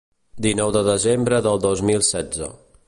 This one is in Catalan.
Dinou de desembre del dos mil setze.